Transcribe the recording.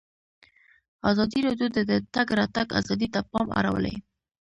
ازادي راډیو د د تګ راتګ ازادي ته پام اړولی.